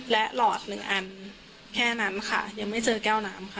และหลอดหนึ่งอันแค่นั้นค่ะยังไม่เจอแก้วน้ำค่ะ